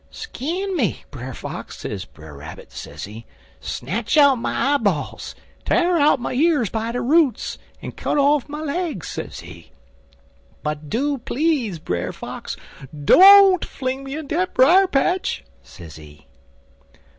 "'Skin me, Brer Fox,' sez Brer Rabbit, sezee, 'snatch out my eyeballs, t'ar out my years by de roots, en cut off my legs,' sezee, 'but do please, Brer Fox, don't fling me in dat brier patch,' sezee.